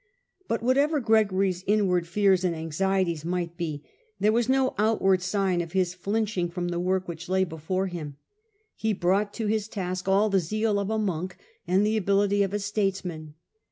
But whatever Gregory's inward fears and anxieties might be, there was no outward sign of his flinching from the work which lay before him ; he brought to his task all the zeal of a monk and the ability of a states man.